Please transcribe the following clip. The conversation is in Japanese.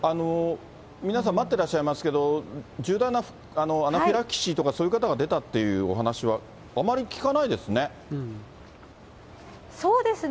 皆さん、待ってらっしゃいますけど、重大なアナフィラキシーとかそういう方が出てっていうお話は、あまり聞かないですね。